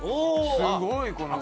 すごいこの方。